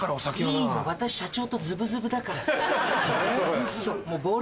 いいの私社長とズブズブだからさ。